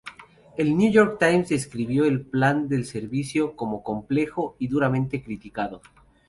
El New York Times describió el plan del servicio como "complejo y duramente criticado.